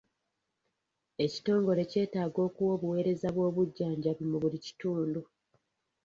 Ekitongole kyetaaga okuwa obuweereza bw'obujjanjabi mu buli kitundu.